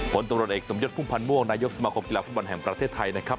ผลตรวจเอกสมยศพุ่มพันธ์ม่วงนายกสมาคมกีฬาฟุตบอลแห่งประเทศไทยนะครับ